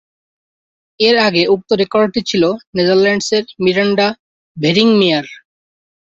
এর আগে উক্ত রেকর্ডটি ছিল নেদারল্যান্ডসের মিরান্ডা ভেরিংমিয়ার।